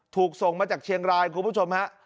ถูกส่งมาจากเชียงรายคุณผู้ชมฮะ